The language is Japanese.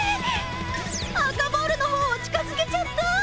赤ボールの方を近づけちゃった！